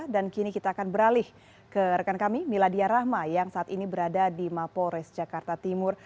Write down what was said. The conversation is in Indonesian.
dan kini kita akan beralih ke rekan kami miladia rahma yang saat ini berada di mapores jakarta timur